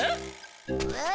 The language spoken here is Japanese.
えっ？